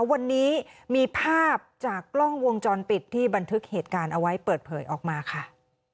วันนี้มีภาพจากกล้องวงจรปิดที่บันทึกเหตุการณ์เอาไว้เปิดเผยออกมาค่ะ